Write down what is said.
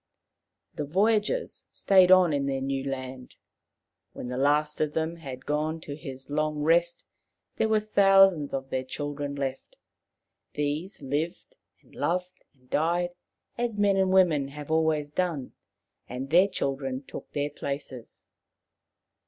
The voyagers stayed on in their new land. When the last of them had gone to his long rest there B 22 Maoriland Fairy Tales were thousands of their children left. These lived and loved and died, as men and women have always done, and their children took their places.